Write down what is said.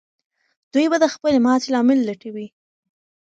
دوی به د خپلې ماتې لامل لټوي.